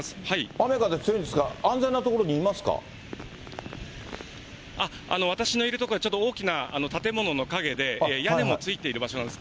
雨、風強いんですが、あっ、私のいる所はちょっと大きな建物の陰で、屋根もついている場所なんです。